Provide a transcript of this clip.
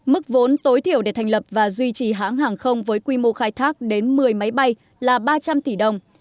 mức vốn tối thiểu để thành lập và duy trì hãng hàng không với quy mô khai thác đến một mươi máy bay là ba trăm linh tỷ đồng